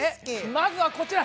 まずはこちら！